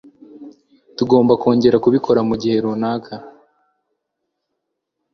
Tugomba kongera kubikora mugihe runaka.